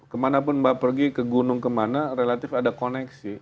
kemanapun mbak pergi ke gunung kemana relatif ada koneksi